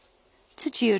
土浦